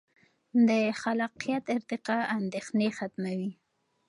د خلاقیت ارتقا اندیښنې ختموي.